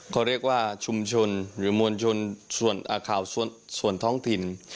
เขาเรียกว่าชุมชนหรือมวลชนส่วนข่าวส่วนท้องถิ่น